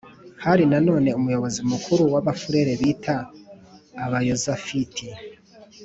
hari na none umuyobozi mukuru w'abafurere bita abayozafiti